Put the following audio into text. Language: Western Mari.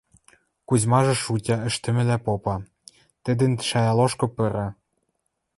Кузьмажы шутя ӹштӹмӹлӓ попа, тӹдӹн шая лошкы пыра: